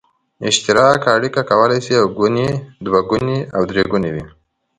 اشتراکي اړیکه کولای شي یو ګونې، دوه ګونې او درې ګونې وي.